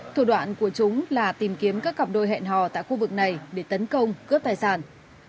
thủ đoạn của chúng là tìm kiếm các cặp đôi hẹn hò tại khu vực này để tấn công cướp tài sản